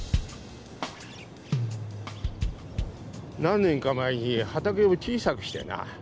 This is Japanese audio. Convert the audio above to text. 何年か前に畑を小さくしてな。